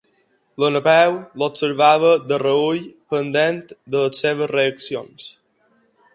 La Napeu l'observava de reüll, pendent de les seves reaccions.